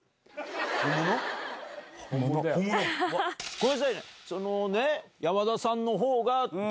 ごめんなさい。